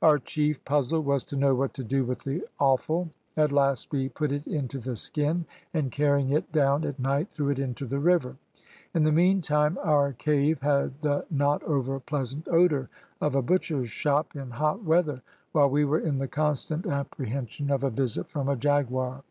Our chief puzzle was to know what to do with the offal. At last we put it into the skin, and carrying it down at night threw it into the river. In the meantime our cave had the not over pleasant odour of a butcher's shop in hot weather, while we were in the constant apprehension of a visit from a jaguar.